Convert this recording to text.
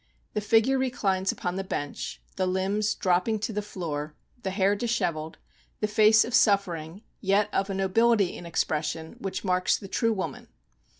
The figure reclines upon the bench вҖ" the limbs dropping to the floor, the hair dis hevelled, the face of suffering, yet of a no bility in expression, which marks the true woman.